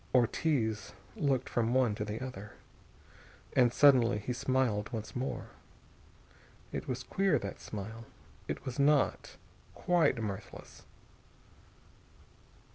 Ortiz looked from one to the other. And suddenly he smiled once more. It was queer, that smile. It was not quite mirthless.